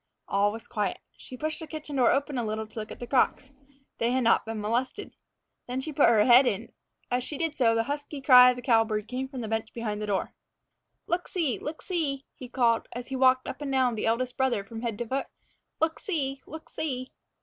All was quiet. She pushed the kitchen door open a little to look at the crocks. They had not been molested. Then she put her head in. As she did so, the husky cry of the cowbird came from the bench behind the door. "Look see! look see!" he called, as he walked up and down the eldest brother from head to foot; "look see! look see!"